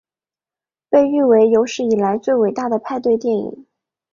被誉为有史以来最伟大的派对电影。